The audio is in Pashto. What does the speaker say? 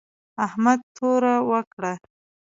احمد توره وکړه